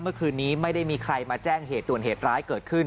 เมื่อคืนนี้ไม่ได้มีใครมาแจ้งเหตุด่วนเหตุร้ายเกิดขึ้น